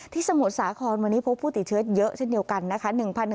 สมุทรสาครวันนี้พบผู้ติดเชื้อเยอะเช่นเดียวกันนะคะ